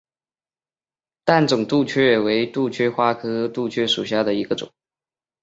淡钟杜鹃为杜鹃花科杜鹃属下的一个种。